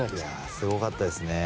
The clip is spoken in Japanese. すごかったですね。